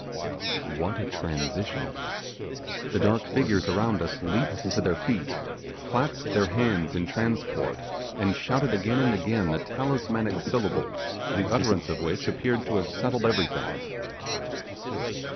What a transition! The dark figures around us leaped to their feet, clapped their hands in transport, and shouted again and again the talismanic syllables, the utterance of which appeared to have settled everything.